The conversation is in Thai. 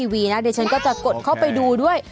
เดี๋ยวฉันก็จะกดเข้าไปดูด้วย